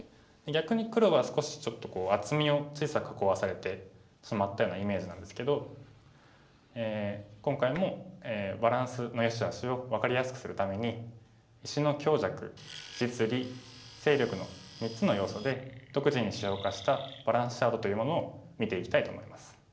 逆に黒は少しちょっとこう厚みを小さく囲わされてしまったようなイメージなんですけど今回もバランスの良し悪しを分かりやすくするために「石の強弱」「実利」「勢力」の３つの要素で独自に指標化したバランスチャートというものを見ていきたいと思います。